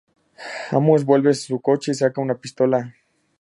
Amos vuelve a su coche y saca una pistola.